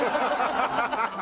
ハハハハ！